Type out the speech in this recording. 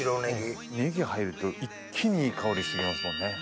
ネギ入ると一気にいい香りしてきますもんね。